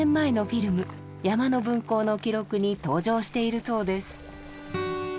「山の分校の記録」に登場しているそうです。